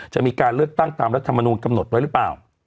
จะมีการเลือกตั้งตามรัฐมนูลกำหนดไว้หรือเปล่า